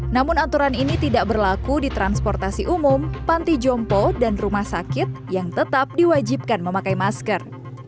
namun aturan ini tidak berlaku di transportasi umum panti jompo dan rumah sakit yang tetap diwajibkan memakai masker